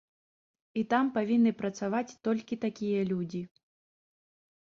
І там павінны працаваць толькі такія людзі.